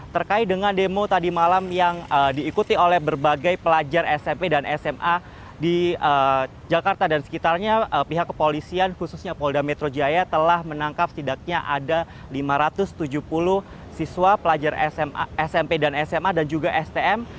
terkait dengan demo tadi malam yang diikuti oleh berbagai pelajar smp dan sma di jakarta dan sekitarnya pihak kepolisian khususnya polda metro jaya telah menangkap setidaknya ada lima ratus tujuh puluh siswa pelajar smp dan sma dan juga stm